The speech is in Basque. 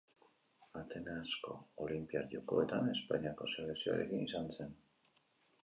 Atenasko Olinpiar Jokoetan Espainiako selekzioarekin izan zen.